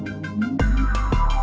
badai pasir yang muncul